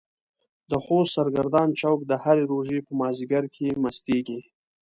د خوست سرګردان چوک د هرې روژې په مازديګر کې مستيږي.